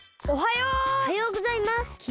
おはようございます。